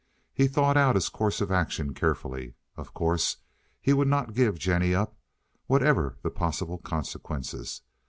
He thought out his course of action carefully. Of course he would not give Jennie up, whatever the possible consequences.